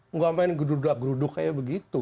nggak main geruda geruduk kayak begitu